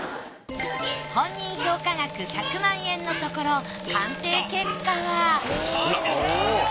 本人評価額１００万円のところ鑑定結果は。